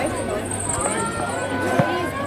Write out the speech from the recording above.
روٽي کاڌي تي